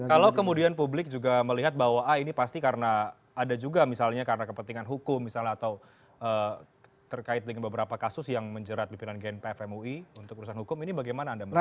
kalau kemudian publik juga melihat bahwa ah ini pasti karena ada juga misalnya karena kepentingan hukum misalnya atau terkait dengan beberapa kasus yang menjerat pimpinan gnpf mui untuk urusan hukum ini bagaimana anda melihat